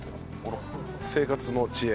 生活の知恵。